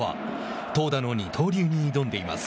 投打の二刀流に挑んでいます。